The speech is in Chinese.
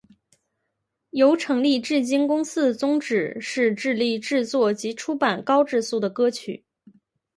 由成立至今公司的宗旨是致力制作及出版高质素的歌曲。